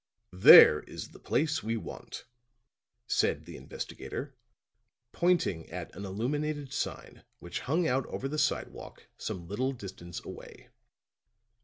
"There is the place we want," said the investigator, pointing at an illuminated sign which hung out over the sidewalk some little distance away.